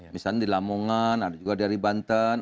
misalnya di lamongan ada juga dari banten